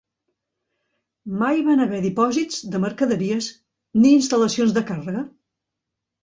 Mai van haver dipòsits de mercaderies ni instal·lacions de càrrega.